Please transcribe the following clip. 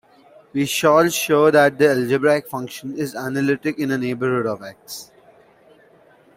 We shall show that the algebraic function is analytic in a neighborhood of "x".